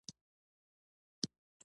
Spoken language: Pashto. ژبه د حکمت ژبه هم ده